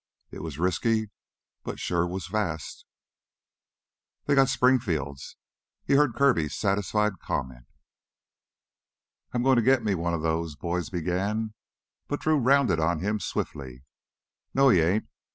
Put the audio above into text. It was risky but sure was fast. "They've got Springfields." He heard Kirby's satisfied comment. "I'm goin' to get me one of those," Boyd began, but Drew rounded on him swiftly. "No, you ain't!